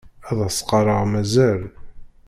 Ad s-qqaṛeɣ mazal.